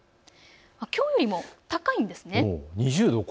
きょうよりも高いんです。